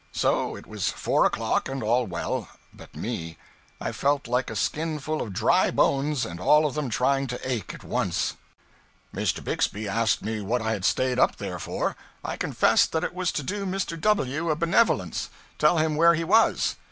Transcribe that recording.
So it was four o'clock and all well but me; I felt like a skinful of dry bones and all of them trying to ache at once. Mr. Bixby asked me what I had stayed up there for. I confessed that it was to do Mr. W a benevolence, tell him where he was.